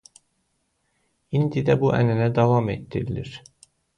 İndi də bu ənənə davam etdirilir.